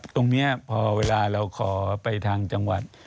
ตรงนี้พอเวลาเราขอไปทางจังหวัด